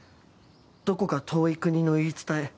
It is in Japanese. どこか遠い国の言い伝え。